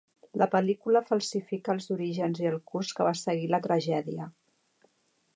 La pel·lícula falsifica els orígens i el curs que va seguir la tragèdia.